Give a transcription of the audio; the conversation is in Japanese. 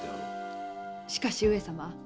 しかし上様。